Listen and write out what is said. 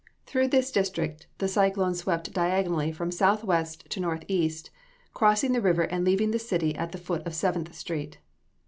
Through this district the cyclone swept diagonally from southwest to northeast, crossing the river and leaving the city at the foot of Seventh street.